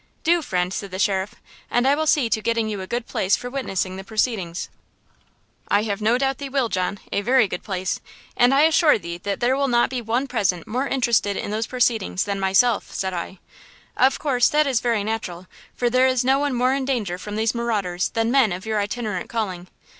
"'Do, friend,' said the sheriff, 'and I will see to getting you a good place for witnessing the proceedings.' "'I have no doubt thee will, John–a very good place! And I assure thee that there will not be one present more interested in those proceedings than myself,' said I. "'Of course, that is very natural, for there is no one more in danger from these marauders than men of your itinerant calling.